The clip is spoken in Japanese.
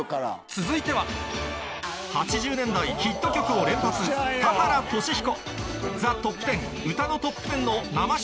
続いては８０年代ヒット曲を連発田原俊彦